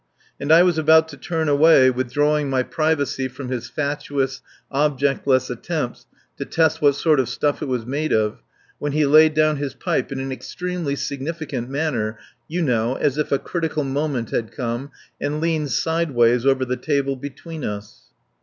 And I was about to turn away, withdrawing my privacy from his fatuous, objectless attempts to test what sort of stuff it was made of, when he laid down his pipe in an extremely significant manner, you know, as if a critical moment had come, and leaned sideways over the table between us.